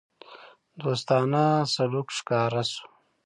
دوستانه سلوک ښکاره شو.